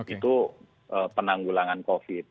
itu penanggulangan covid sembilan belas